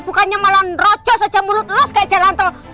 bukannya malah ngerocos aja mulut lo kayak jalan tol